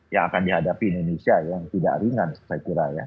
yang akan dihadapi indonesia yang tidak ringan saya kira ya